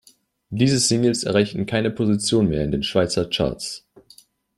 Diese Singles erreichten keine Positionen mehr in den Schweizer Charts.